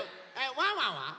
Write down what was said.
ワンワンは？